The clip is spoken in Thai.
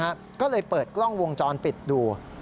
ก็เลยเปิดกล้องวงจรปิดดู